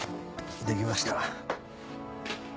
できました。